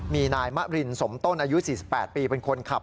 มีนายมะรินสมต้นอายุ๔๘ปีเป็นคนขับ